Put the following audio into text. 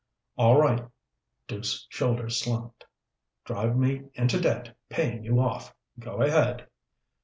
"All right." Duke's shoulders slumped. "Drive me into debt paying you off. Go ahead."